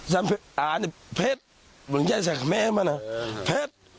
สันเผ็ดอ่านี่เผ็ดบึงแย่สักแม่มาน่ะเผ็ด